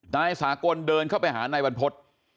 นายสากลเดินเข้าไปหานายบรรพฤษ